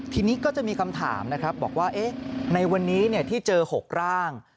ทีนี้ก็จะมีคำถามนะครับบอกว่าในวันนี้ที่เจอ๖ร่าง